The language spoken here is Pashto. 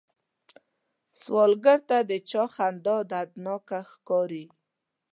سوالګر ته د چا خندا دردناکه ښکاري